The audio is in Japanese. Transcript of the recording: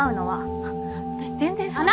あっ私全然そんな。